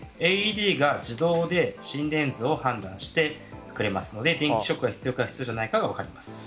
ＡＥＤが自動で心電図を判断してくれますので電気ショックが必要か必要じゃないか分かります。